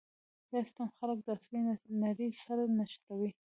دا سیستم خلک د عصري نړۍ سره نښلوي.